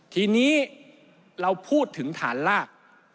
ทีนี้เราพูดถึงฐานลาก